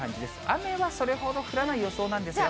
雨はそれほど降らない予想なんですが。